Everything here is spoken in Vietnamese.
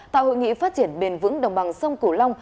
tại hội nghị phát triển bền vững đồng bằng sông cửu long